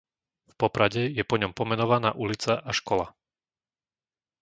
V Poprade je po ňom pomenovaná ulica a škola.